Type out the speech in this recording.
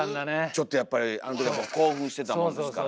ちょっとやっぱりあんときはもう興奮してたもんですから。